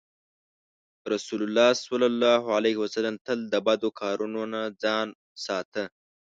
رسول الله ﷺ تل د بدو کارونو نه ځان ساته.